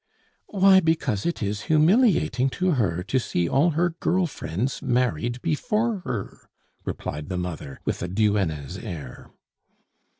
"Why, because it is humiliating to her to see all her girl friends married before her," replied the mother, with a duenna's air.